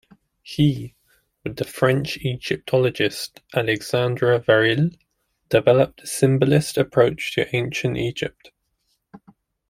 He, with the French egyptologist Alexandre Varille, developed the symbolist approach to ancient Egypt.